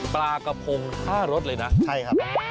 ปลากระพง๕รสเลยนะใช่ครับ